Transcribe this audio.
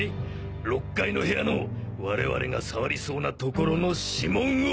６階の部屋の我々が触りそうな所の指紋を！